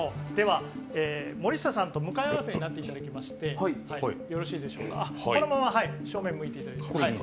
森下さんと向かい合わせになっていただいてこのまま正面、向いていただいて。